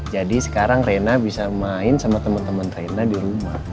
jadi sekarang rena bisa main sama temen temen rena di rumah